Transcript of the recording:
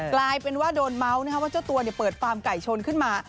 กลายเป็นว่าโดนเมาส์ว่าเจ้าตัวเปิดฟาร์มไก่ชนขึ้นมา